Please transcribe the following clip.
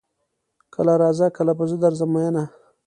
کله راځه کله به زه درځم ميينه